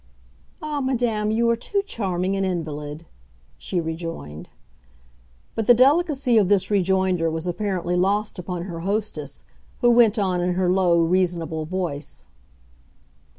"Ah, madam, you are too charming an invalid," she rejoined. But the delicacy of this rejoinder was apparently lost upon her hostess, who went on in her low, reasonable voice.